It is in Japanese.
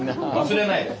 忘れないで。